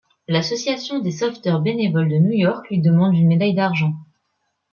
L'association des sauveteurs bénévoles de New York, lui envoient une médaille d'argent.